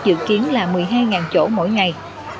dự kiến là một mươi hai chỗ mỗi ngày